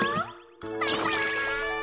バイバイ！